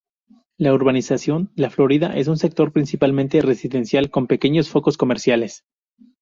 La Urbanización La Florida es un sector principalmente residencial, con pequeños focos comerciales.